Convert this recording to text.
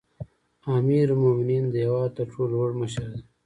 امیرالمؤمنین د هیواد تر ټولو لوړ مشر دی